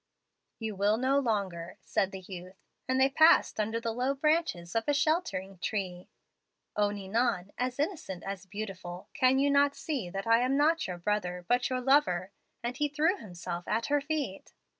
"'You will no longer,' said the youth, as they passed under the low branches of a sheltering tree. 'O Ninon, as innocent as beautiful, can you not see that I am not your brother, but your lover?' and he threw himself at her feet.